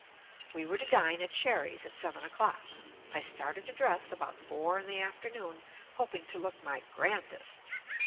We were to dine at Sherry's at seven o'clock. I started to dress about four in the afternoon hoping to look my "grandest."